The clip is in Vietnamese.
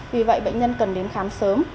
vì vậy bệnh nhân cần đến khám sớm